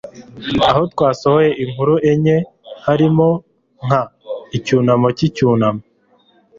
aho twasohoye inkuru enye, harimo nka icyunamo cy'icyunamo